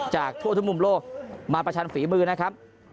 จากทั่วทุกมุมโลกมาประชันฝีมือนะครับ